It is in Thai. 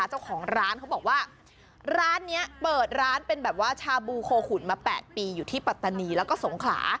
เจ้าของร้านเขาบอกว่าร้านนี้เปิดร้านเป็นแบบว่าชาบูโคขุนมา๘ปีอยู่ที่ปัตตานีแล้วก็สงขลา